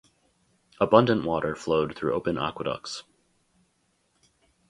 Abundant water flowed through open aqueducts.